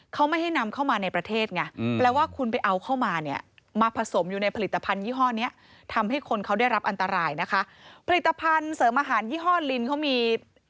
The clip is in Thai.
เขาไม่ให้นำเข้ามาในประเทศไง